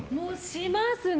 しますね。